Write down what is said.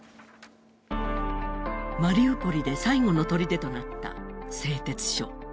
マリウポリで最後の砦となった製鉄所。